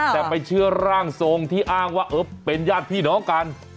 แต่ไปเชื่อร่างทรงที่อ้างว่าเออเป็นญาติพี่น้องกัน